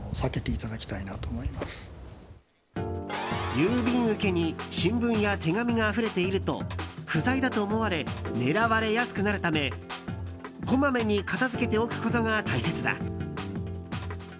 郵便受けに新聞や手紙があふれていると不在だと思われ狙われやすくなるためこまめに片付けておくことが大切だ。